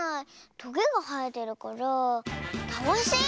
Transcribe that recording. トゲがはえてるからたわし？